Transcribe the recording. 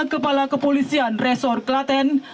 kepala kepolisian resor kelaten